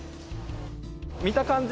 見た感じ